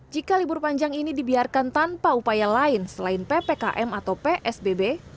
jika libur panjang ini dibiarkan tanpa upaya lain selain ppkm atau psbb